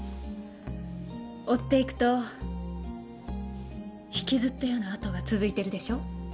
追っていくと引きずったような跡が続いてるでしょ？